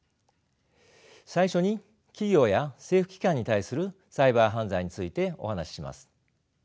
最初に企業や政府機関に対するサイバー犯罪についてお話しします。